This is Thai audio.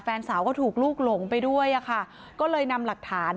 แฟนสาวก็ถูกลูกหลงไปด้วยอะค่ะก็เลยนำหลักฐาน